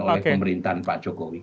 oleh pemerintahan pak jokowi